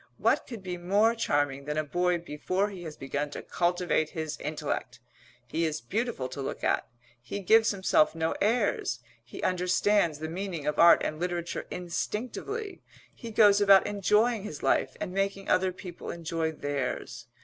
What could be more charming than a boy before he has begun to cultivate his intellect? He is beautiful to look at; he gives himself no airs; he understands the meaning of art and literature instinctively; he goes about enjoying his life and making other people enjoy theirs.